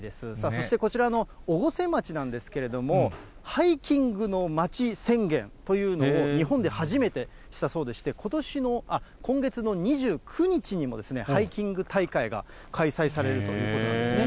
そして、こちらの越生町なんですけれども、ハイキングのまち宣言というのを、日本で初めてしたそうでして、ことしの、今月の２９日にも、ハイキング大会が開催されるということなんですね。